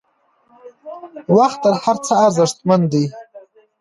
وخت تر هر څه ارزښتمن دی.